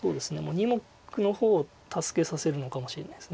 ２目の方を助けさせるのかもしれないです。